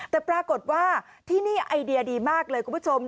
แต่ปรากฏว่าที่นี่ไอเดียดีมากเลยคุณผู้ชม